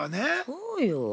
そうよ。